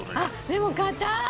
でも硬い！